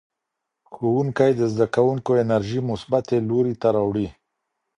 ښوونکی د زدهکوونکو انرژي مثبتې لوري ته راوړي.